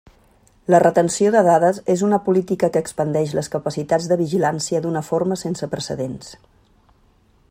La retenció de dades és una política que expandeix les capacitats de vigilància d'una forma sense precedents.